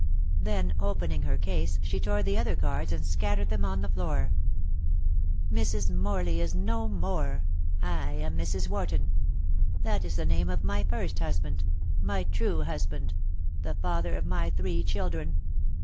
Then opening her case she tore the other cards and scattered them on the floor. "Mrs. Morley is no more. I am Mrs. Warton. That is the name of my first husband my true husband the father of my three children.